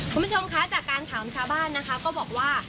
คุณผู้ชมคะจากการถามชาวบ้านนะคะก็บอกว่า